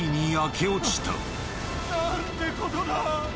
・何てことだ・